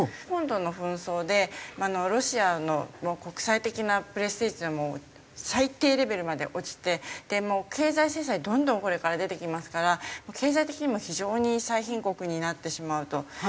今度の紛争でロシアの国際的なプレステージというのはもう最低レベルまで落ちてもう経済制裁どんどんこれから出てきますから経済的にも非常に最貧国になってしまうと。